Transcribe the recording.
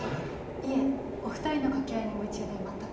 いえお２人の掛け合いに夢中で全く。